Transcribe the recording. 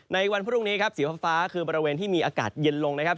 วันพรุ่งนี้ครับสีฟ้าคือบริเวณที่มีอากาศเย็นลงนะครับ